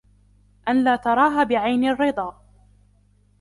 أَنْ لَا تَرَاهَا بِعَيْنِ الرِّضَى